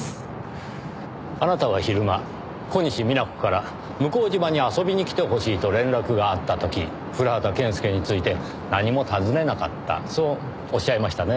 あなたは昼間小西皆子から向島に遊びに来てほしいと連絡があった時古畑健介について何も尋ねなかったそうおっしゃいましたね。